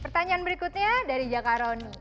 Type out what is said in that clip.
pertanyaan berikutnya dari jakaroni